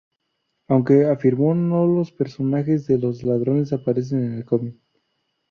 Aunque afirmó, no los personajes de los ladrones aparecen en el cómic.